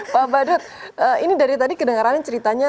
pak badut ini dari tadi kedengeran ceritanya